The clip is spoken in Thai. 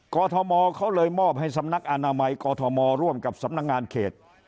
กรทมเขาเลยมอบให้สำนักอนามัยกอทมร่วมกับสำนักงานเขต